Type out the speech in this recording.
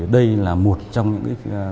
đây là một trong những